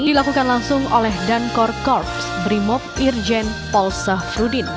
dilakukan langsung oleh dankor korps primo irjen polsah frudin